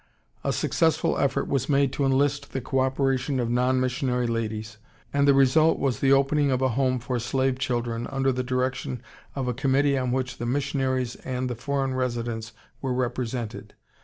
A successful effort was made to enlist the co operation of non missionary ladies, and the result was the opening of a home for slave children under the direction of a committee on which the missionaries and the foreign residents were represented.